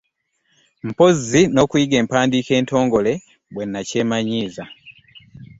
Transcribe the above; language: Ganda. Mpozzi n'okuyiga empandiika entongole bwe bakyemanyiiza.